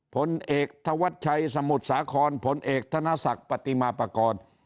ผลเอกธวัชชัยสมุทรสาครผลเอกธนศักดิ์ปฏิมาปากร